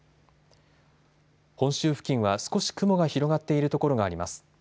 本州付近は少し雲が広がっている所があります。